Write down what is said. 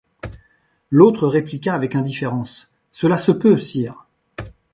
L’autre répliqua avec indifférence: — Cela se peut, sire.